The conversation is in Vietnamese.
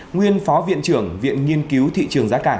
nguyên phó viện trưởng viện nghiên cứu thị trường giá cả